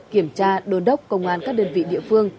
kiểm tra đôn đốc công an các đơn vị địa phương